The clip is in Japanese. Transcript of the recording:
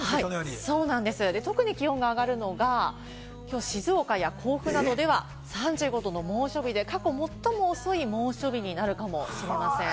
特に気温が上がるのが静岡や甲府などでは３５℃の猛暑日で、過去最も遅い猛暑日になるかもしれません。